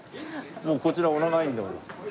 もうこちらお長いんでございますか？